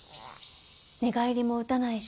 寝返りも打たないし。